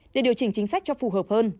để điều chỉnh chính sách cho phù hợp hơn